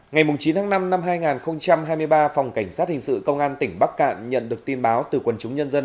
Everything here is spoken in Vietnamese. ngày chín tháng năm năm hai nghìn hai mươi ba phòng cảnh sát hình sự công an tỉnh bắc cạn nhận được tin báo từ quần chúng nhân dân